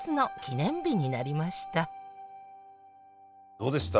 どうでした？